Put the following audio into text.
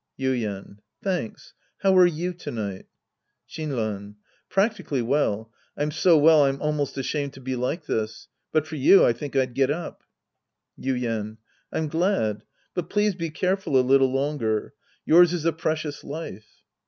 Yuien. Thanks. How are you to night ? Shinran. Practically well. I'm so well I'm almost ashamed to be like this. But for you, I think I'd get up. Yuien. I'm glad. But please be careful a little longer. Yours is a precious life.